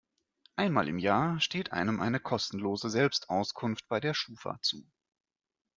Einmal im Jahr steht einem eine kostenlose Selbstauskunft bei der Schufa zu.